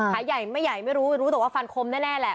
ขาใหญ่ไม่ใหญ่ไม่รู้รู้แต่ว่าฟันคมแน่แหละ